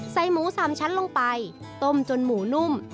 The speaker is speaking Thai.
หมู๓ชั้นลงไปต้มจนหมูนุ่ม